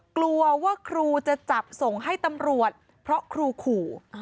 กลัวว่าครูจะจับส่งให้ตำรวจเพราะครูขู่